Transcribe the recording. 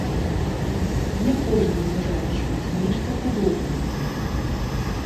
Не кожны можа адчуць нешта падобнае.